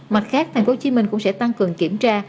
mặt khác thành phố hồ chí minh cũng sẽ tăng cường kiểm tra